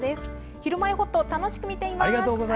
「ひるまえほっと」楽しく見ています。